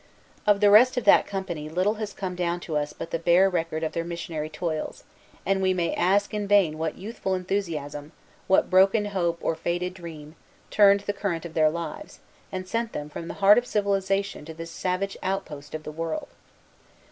Of the rest of that company little has come down to us but the bare record of their missionary toils; and we may ask in vain what youthful enthusiasm, what broken hope or faded dream, turned the current of their lives, and sent them from the heart of civilization to this savage outpost of the world.